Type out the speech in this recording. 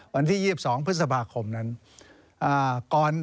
วันที่๒๒พฤษภาคมนั้น